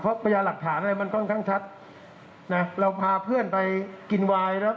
เพราะพยาหลักฐานอะไรมันค่อนข้างชัดนะเราพาเพื่อนไปกินวายแล้ว